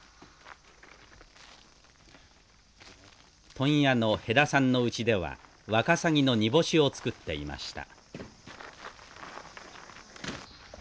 問屋の辺田さんのうちではワカサギの煮干しを作っていました。